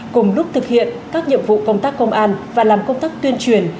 cùng lúc thực hiện các nhiệm vụ công tác công an và làm công tác tuyên truyền